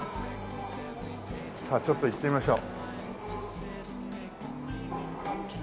さあちょっと行ってみましょう。